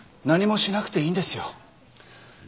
何もしなくていいんですよ。